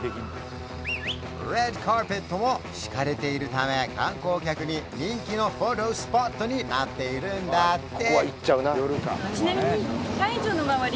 レッドカーペットも敷かれているため観光客に人気のフォトスポットになっているんだって！